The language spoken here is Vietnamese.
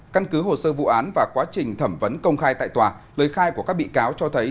căn cứ hồ sơ vụ án và quá trình thẩm vấn công khai tại tòa lời khai của các bị cáo cho thấy